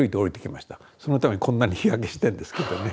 そのためにこんなに日焼けしてんですけどね。